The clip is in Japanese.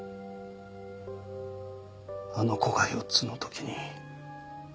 あの子が４つの時に。